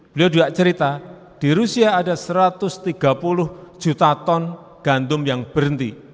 beliau juga cerita di rusia ada satu ratus tiga puluh juta ton gandum yang berhenti